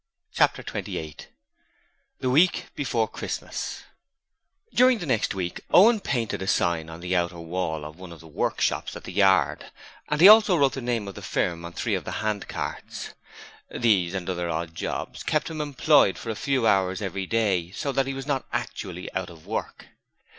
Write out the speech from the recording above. Chapter 28 The Week before Christmas During the next week Owen painted a sign on the outer wall of one of the workshops at the yard, and he also wrote the name of the firm on three of the handcarts. These and other odd jobs kept him employed a few hours every day, so that he was not actually out of work.